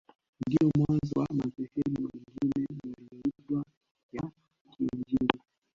Ndio mwanzo wa madhehebu mengine yanayoitwa ya Kiinjili